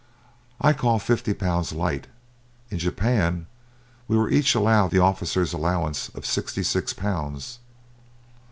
I call fifty pounds light; in Japan we each were allowed the officer's allowance of sixty six pounds.